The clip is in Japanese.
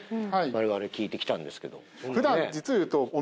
我々聞いて来たんですけど。